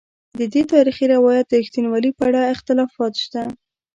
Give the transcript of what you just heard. ددې تاریخي روایت د رښتینوالي په اړه اختلافات شته.